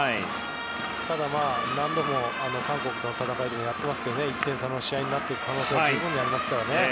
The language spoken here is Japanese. ただ、何度も韓国との戦いをやっていますが１点差の試合になっていく可能性は十分にありますからね。